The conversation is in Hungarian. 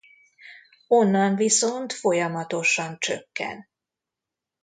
Onnan viszont folyamatosan csökken.